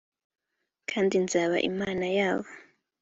kandi nzaba imana yabo